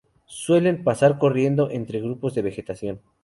Suelen pasar corriendo entre grupos de vegetación.